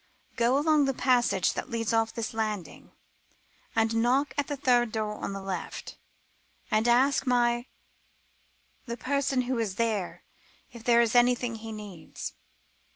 "Go along the passage that leads off this landing," she said, "knock at the third door on the left; and ask my the person who is there if there is anything he needs.